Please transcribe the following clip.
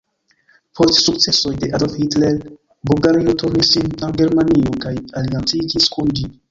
Post sukcesoj de Adolf Hitler, Bulgario turnis sin al Germanio kaj alianciĝis kun ĝi.